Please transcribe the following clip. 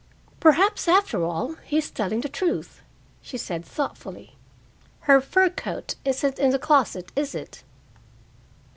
"Perhaps, after all, he's telling the truth," she said thoughtfully. "Her fur coat isn't in the closet, is it?"